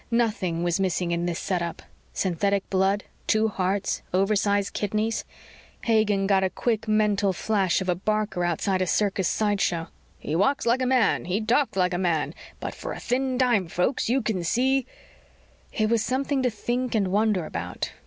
Nothing was missing in this setup synthetic blood, two hearts, oversize kidneys. Hagen got a quick mental flash of a barker outside a circus sideshow: _He walks like a man. He talks like a man. But for a thin dime, folks, you can see _ It was something to think and wonder about.